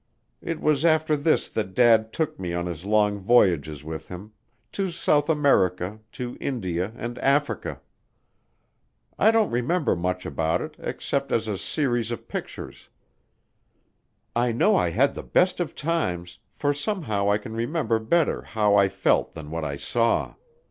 It was after this that Dad took me on his long voyages with him, to South America, to India, and Africa. I don't remember much about it, except as a series of pictures. I know I had the best of times for somehow I can remember better how I felt than what I saw.